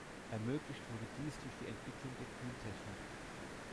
Ermöglicht wurde dies durch die Entwicklung der Kühltechnik.